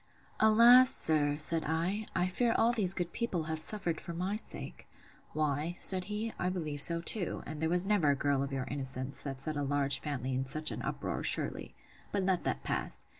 Alas! sir, said I, I fear all these good people have suffered for my sake!—Why, said he, I believe so too; and there was never a girl of your innocence, that set a large family in such an uproar, surely.—But let that pass.